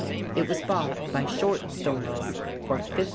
It was bought by Short Stories for $15.